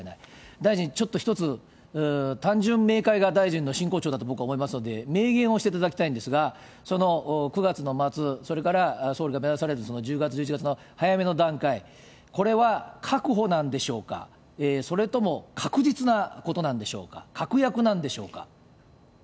大臣、ちょっと一つ単純明快が大臣の真骨頂だと思いますんで、明言をしていただきたいんですが、９月の末、それから総理が目指される１０月、１１月の早めの段階、これは確保なんでしょうか、それとも確実なことなんでしょうか、確約なんでしょうか。